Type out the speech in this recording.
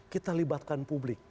kita libatkan publik